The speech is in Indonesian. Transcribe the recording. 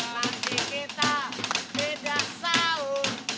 lagi kita beda sahur